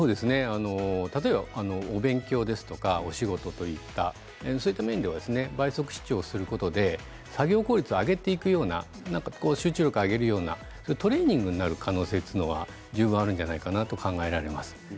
例えば、お勉強やお仕事といったそういった面では倍速視聴することで作業効率を上げていくような集中力を上げるようなトレーニングになる可能性というのは十分あるんじゃないかなと考えられます。